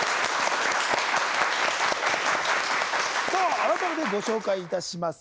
さあ改めてご紹介いたします